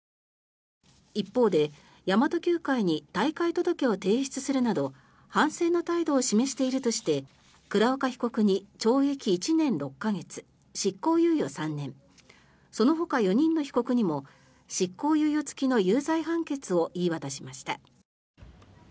一方で、神真都Ｑ会に退会届を提出するなど反省の態度を示しているとして倉岡被告に懲役１年６か月執行猶予３年そのほか４人の被告にも執行猶予付きの有罪判決を言い渡しました。